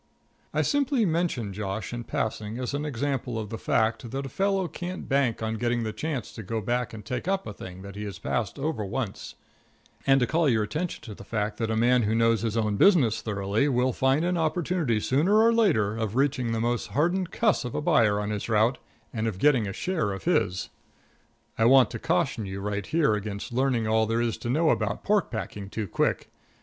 I simply mention Josh in passing as an example of the fact that a fellow can't bank on getting a chance to go back and take up a thing that he has passed over once, and to call your attention to the fact that a man who knows his own business thoroughly will find an opportunity sooner or later of reaching the most hardened cuss of a buyer on his route and of getting a share of his. I want to caution you right here against learning all there is to know about pork packing too quick.